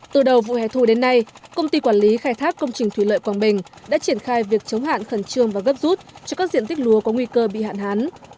từ đầu vụ hè thu đến nay công ty quản lý khai thác công trình thủy lợi quảng bình đã triển khai việc chống hạn khẩn trương và gấp rút cho các diện tích lúa có nguy cơ bị hạn hán